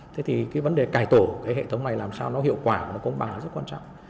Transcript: thế thì cái vấn đề cải tổ cái hệ thống này làm sao nó hiệu quả và nó công bằng là rất quan trọng